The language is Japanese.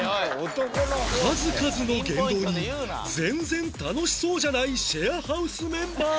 数々の言動に全然楽しそうじゃないシェアハウスメンバー